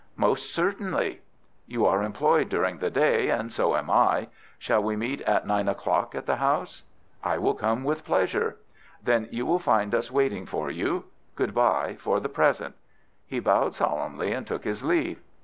"Most certainly." "You are employed during the day, and so am I. Shall we meet at nine o'clock at the house?" "I will come with pleasure." "Then you will find us waiting for you. Good bye, for the present." He bowed solemnly, and took his leave.